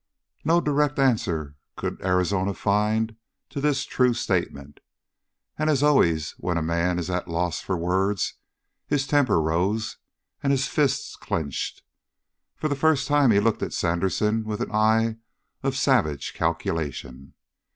No direct answer could Arizona find to this true statement, and, as always when a man is at a loss for words, his temper rose, and his fists clenched. For the first time he looked at Sandersen with an eye of savage calculation.